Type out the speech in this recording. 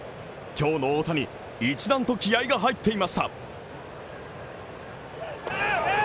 今日の大谷、一段と気合が入っていました。